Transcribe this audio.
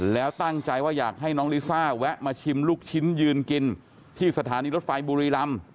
แล้วตั้งใจว่าอยากให้น้องลิซ่าแวะมาชิมลูกชิ้นยืนกินที่สถานีรถไฟบุรีรำ